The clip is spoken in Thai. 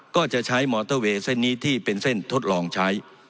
ก็จะใช้มอเตอร์เวย์เส้นนี้ที่เป็นเส้นทดลองใช้